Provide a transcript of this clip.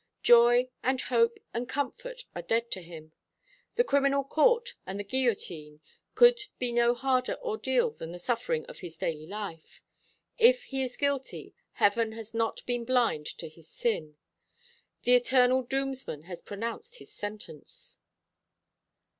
Joy and hope and comfort are dead for him. The criminal court and the guillotine could be no harder ordeal than the suffering of his daily life. If he is guilty, Heaven has not been blind to his sin. The Eternal Doomsman has pronounced his sentence."